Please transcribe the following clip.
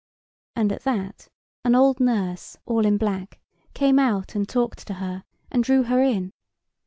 And at that an old nurse, all in black, came out and talked to her, and drew her in.